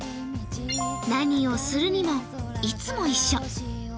何をするにもいつも一緒。